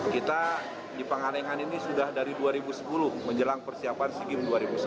kita di pengalengan ini sudah dari dua ribu sepuluh menjelang persiapan sigim dua ribu sebelas